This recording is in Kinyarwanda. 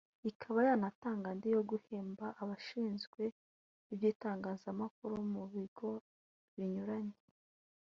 ikaba yanatangaga andi yo guhemba abashinzwe iby’itangazamakuru mu bigo binyuranye